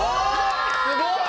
すごい！